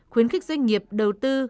khuyến khích doanh nghiệp đầu tư